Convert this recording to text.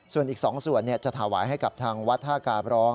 ส่วนอีก๒ส่วนจะถวายให้กับทางวัดท่ากาบร้อง